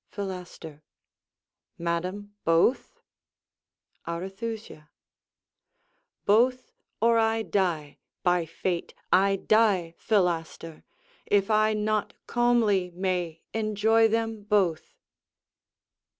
Philaster Madam, both? Arethusa Both, or I die; by fate, I die, Philaster, If I not calmly may enjoy them both.